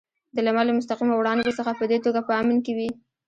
د لمر له مستقیمو وړانګو څخه په دې توګه په امن کې وي.